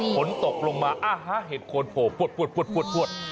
ผลตกลงมาอ่าฮะเห็ดโคนโหปวด